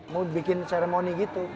mau bikin ceremony gitu